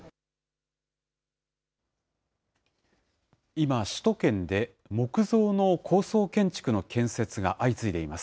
今、首都圏で木造の高層建築の建設が相次いでいます。